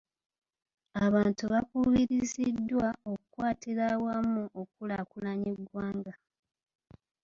Abantu bakubiriziddwa okukwatira awamu okukulaakulanya eggwanga.